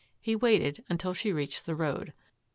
He waited until she reached the road.